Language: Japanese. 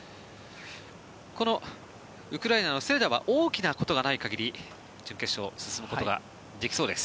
このウクライナのセレダは大きなことがない限り準決勝に進むことができそうです。